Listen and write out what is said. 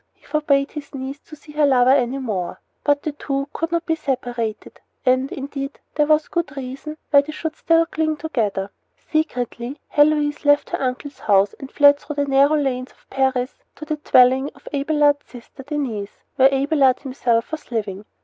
He forbade his niece to see her lover any more. But the two could not be separated; and, indeed, there was good reason why they should still cling together. Secretly Heloise left her uncle's house and fled through the narrow lanes of Paris to the dwelling of Abelard's sister, Denyse, where Abelard himself was living.